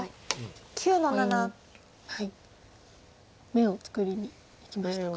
眼を作りにいきましたか。